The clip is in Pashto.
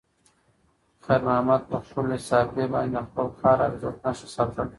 خیر محمد په خپلې صافې باندې د خپل کار او عزت نښه ساتله.